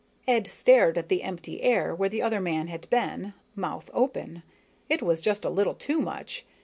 Ed stared at the empty air where the other man had been, mouth open. It was just a little too much.